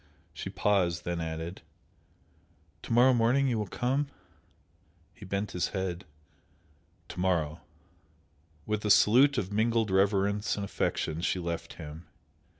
She paused then added "To morrow morning you will come?" He bent his head. "To morrow!" With a salute of mingled reverence and affection she left him.